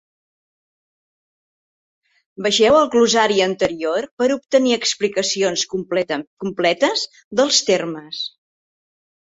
Vegeu el glossari anterior per obtenir explicacions completes dels termes.